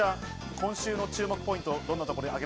今週の注目ポイントは？